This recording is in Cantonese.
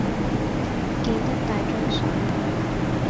記得帶樽水